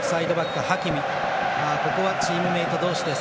ここはチームメート同士です。